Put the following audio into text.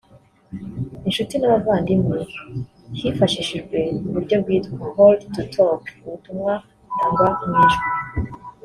inshuti n’abavandimwe hifashishijwe uburyo bwitwa hold-to-talk (Ubutumwa butangwa mu ijwi)